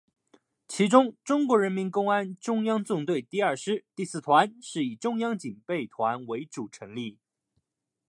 其中中国人民公安中央纵队第二师第四团是以中央警备团为主成立。